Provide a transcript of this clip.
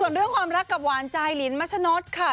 ส่วนเรื่องความรักกับหวานใจลินมัชนดค่ะ